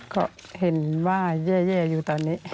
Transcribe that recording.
ก็เห็นว่าแย่อยู่ตอนนี้